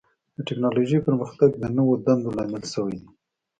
د ټکنالوجۍ پرمختګ د نوو دندو لامل شوی دی.